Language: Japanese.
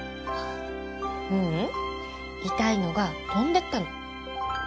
ううん痛いのが飛んでったの。